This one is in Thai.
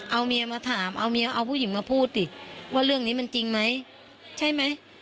เอาเมียมาถามเอาเมียเอาผู้หญิงมาพูดสิว่าเรื่องนี้มันจริงไหมใช่ไหม